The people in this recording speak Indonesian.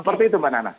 seperti itu mbak nana